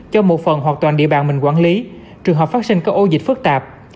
cho một phần hoặc toàn địa bàn mình quản lý trường hợp phát sinh các ô dịch phức tạp